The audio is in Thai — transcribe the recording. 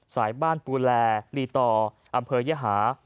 สายบ้านปูแลลีต่ออำเภอยหา